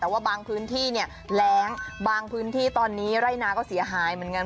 แต่ว่าบางพื้นที่เนี่ยแรงบางพื้นที่ตอนนี้ไร่นาก็เสียหายเหมือนกัน